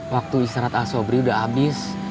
waktu israt asobri udah abis